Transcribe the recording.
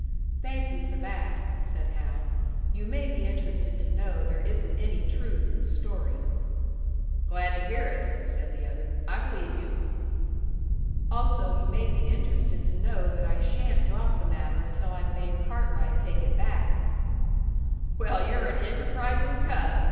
"Thank you for that," said Hal. "You may be interested to know there isn't any truth in the story." "Glad to hear it," said the other. "I believe you." "Also you may be interested to know that I shan't drop the matter until I've made Cartwright take it back." "Well, you're an enterprising cuss!"